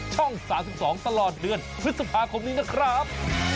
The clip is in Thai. ช่อง๓๒ตลอดเดือนพฤษภาคมนี้นะครับ